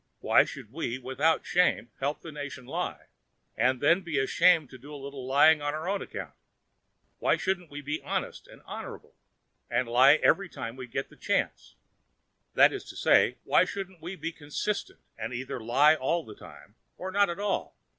Why should we without shame help the nation lie, and then be ashamed to do a little lying on our own account? Why shouldn't we be honest and honourable, and lie every time we get a chance? That is to say, why shouldn't we be consistent, and either lie all the time or not at all?